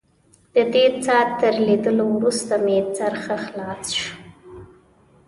ددې څاه تر لیدلو وروسته مې سر ښه خلاص شو.